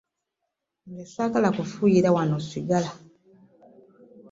Nze ssaagala kufuuyira wano sigala.